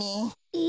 え？